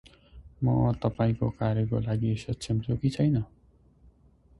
म तपाईंको कार्यको लागि सक्षम छु कि छैन?